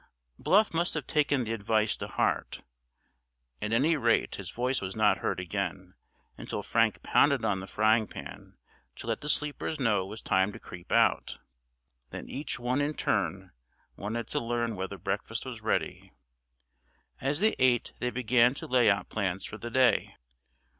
Bluff must have taken the advice to heart; at any rate his voice was not heard again until Frank pounded on the frying pan to let the sleepers know it was time to creep out. Then each one in turn wanted to learn whether breakfast was ready. As they ate they began to lay out plans for the day.